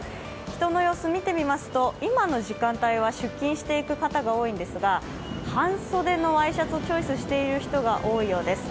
人の様子を見てみますと、今の時間帯は出勤していく方が多いんですが、半袖のワイシャツをチョイスしている人が多いようです。